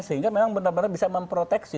sehingga memang benar benar bisa memproteksi